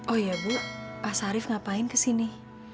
oh iya bu pak sarif ngapain kesini